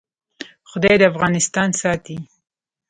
خدای دې افغانستان ساتي؟